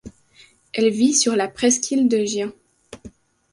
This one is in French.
Elle vit sur la presqu’île de Giens.